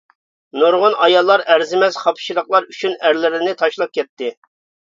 نۇرغۇن ئاياللار ئەرزىمەس خاپىچىلىقلار ئۈچۈن ئەرلىرىنى تاشلاپ كەتتى.